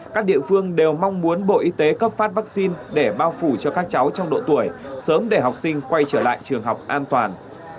các địa phương đều mong muốn bộ y tế cấp phát vaccine để bao phủ cho các cháu trong độ tuổi sớm để học sinh quay trở lại trường học an toàn